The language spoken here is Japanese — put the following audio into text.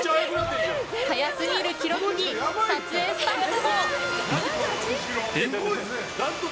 早すぎる記録に撮影スタッフも。